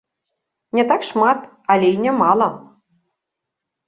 Не так шмат, але і нямала!